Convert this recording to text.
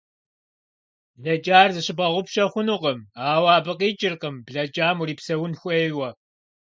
Блэкӏар зыщыбгъэгъупщэ хъунукъым, ауэ абы къикӏыркъым блэкӏам урипсэун хуейуэ.